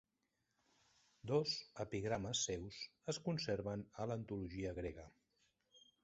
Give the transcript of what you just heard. Dos epigrames seus es conserven a l'antologia grega.